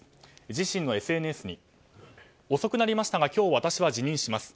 自身のＳＮＳに遅くなりましたが今日、私は辞任します。